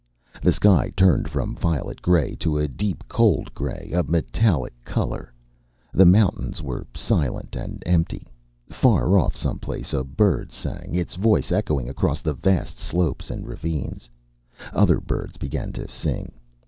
The sky turned from violet gray to a deep cold gray, a metallic color. The mountains were silent and empty. Far off some place a bird sang, its voice echoing across the vast slopes and ravines. Other birds began to sing.